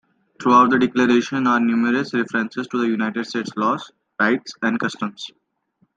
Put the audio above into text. Throughout the declaration are numerous references to the United States laws, rights, and customs.